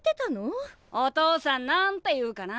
お父さん何て言うかな？